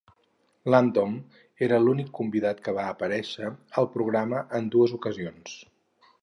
Langdon era l'únic convidat que va aparèixer al programa en dues ocasions.